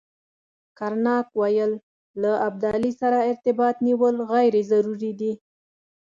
کرناک ویل له ابدالي سره ارتباط نیول غیر ضروري دي.